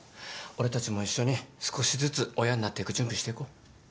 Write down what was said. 俺たちも一緒に少しずつ親になっていく準備していこう。